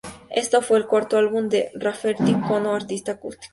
Este fue el cuarto álbum de Rafferty cono artista acústico.